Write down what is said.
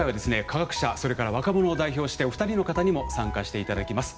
科学者それから若者を代表してお二人の方にも参加していただきます。